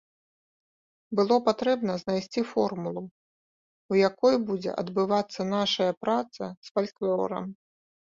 Было патрэбна знайсці формулу, у якой будзе адбывацца нашая праца з фальклорам.